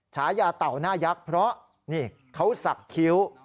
ฉายาเต่าหน้ายักษ์เพราะนี่เขาสักคิ้ว